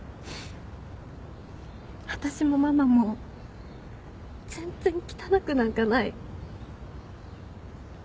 私もママも全然汚くなんかない。